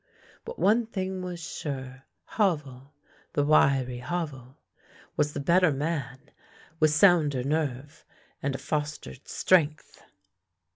But one thing was sure, Havel — the wiry Havel — was the better man, with sounder nerve and a fostered strength.